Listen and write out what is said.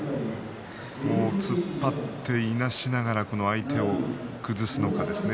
突っ張って、いなしながら相手を崩すのか。